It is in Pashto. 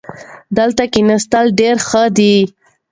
دلته کښېناستل ډېر ښه دي.